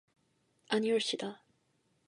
아니올시다.